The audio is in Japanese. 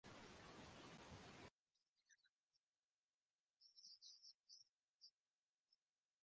現実の世界とは物と物との相働く世界でなければならない。